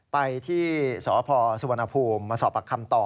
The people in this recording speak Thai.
ไปที่สพสุวรรณภูมิมาสอบปากคำต่อ